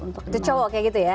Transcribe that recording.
itu cowok ya gitu ya